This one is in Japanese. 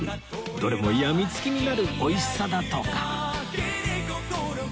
どれも病みつきになる美味しさだとか